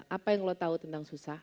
apa yang lo tahu tentang susah